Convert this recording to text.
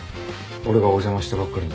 俺がお邪魔したばっかりに。